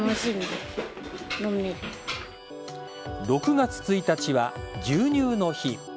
６月１日は牛乳の日。